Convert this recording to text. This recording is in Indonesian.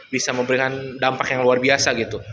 bisa memberikan dampak yang luar biasa gitu